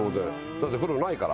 だって風呂ないから。